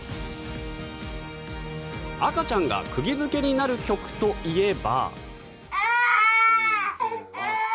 赤ちゃんが釘付けになる曲といえば。